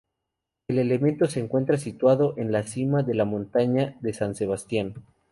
El elemento se encuentra situado en la cima de la montaña de San Sebastián.